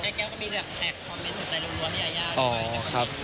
แม่แก้วก็มีแท็กคอมเมนต์หัวใจรวมให้ยายา